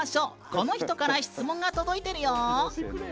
この人から質問が届いているよ。